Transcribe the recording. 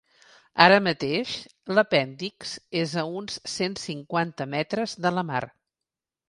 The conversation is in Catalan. Ara mateix, l’apèndix és a uns cent cinquanta metres de la mar.